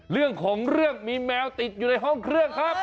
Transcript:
เรื่องของเรื่องมีแมวติดอยู่ในห้องเครื่องครับ